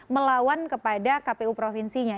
melawan kepada kpu provinsinya